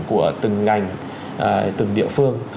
của từng ngành từng địa phương